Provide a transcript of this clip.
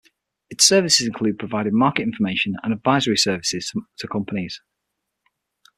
Its services include providing market information and advisory services to companies.